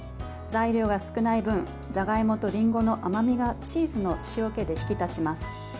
材料が少ない分じゃがいもとりんごの甘みがチーズの塩気で引き立ちます。